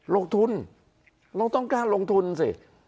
ลงทุนต้องต้องการลงทุนสิ